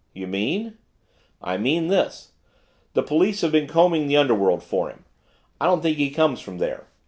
"You mean?" "I mean this. The police have been combing the underworld for him; I don't think he comes from there.